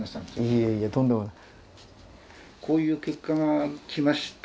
いえいえとんでもない。